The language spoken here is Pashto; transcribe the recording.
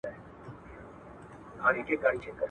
وينو به اور واخيست ګامونو ته به زور ورغی.